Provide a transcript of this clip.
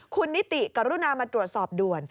คุณนิติกรุณามาตรวจสอบด่วน